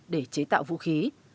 để chế tạo vũ khí